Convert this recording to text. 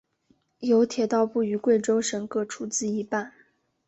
由铁道部与贵州省各出资一半。